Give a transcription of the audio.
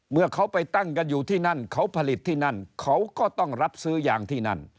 เมื่อเขาไปตั้งกันอยู่ที่นั่นเขาผลิตที่นั่นเขาก็ต้องรับซื้อยางที่นั่น